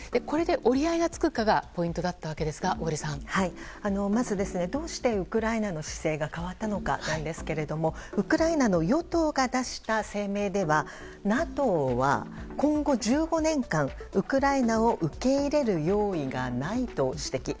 これで折り合いがつくかがポイントだったわけですがまず、どうしてウクライナの姿勢が変わったのかなんですけれどもウクライナの与党が出した声明では、ＮＡＴＯは今後１５年間ウクライナを受け入れる用意がないと指摘。